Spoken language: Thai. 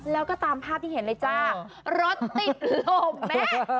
แล้วก็ตามภาพที่เห็นเลยจ้ารถติดลมแม่